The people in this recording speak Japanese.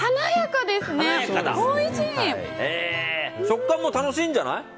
食感も楽しいんじゃない？